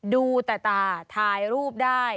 ดูต่ากากถ่ายรูปได้